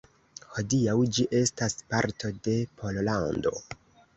Hodiaŭ ĝi estas parto de Pollando.